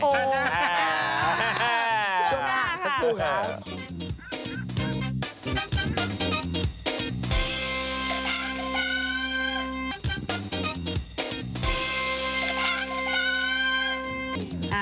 ช่องหน้าค่ะ